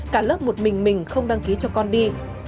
cả lớp một mình mình không đăng ký cho con đi